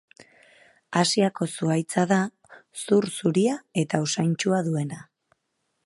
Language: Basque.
Asiako zuhaitza da, zur zuria eta usaintsua duena.